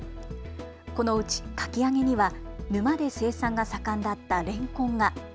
このうちかき揚げには沼で生産が盛んだったレンコンが。